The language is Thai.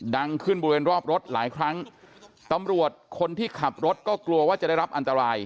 ดังขึ้นบริเวณรอบรถหลายครั้งตำรวจคนที่ขับรถก็กลัวว่าจะได้รับอันตราย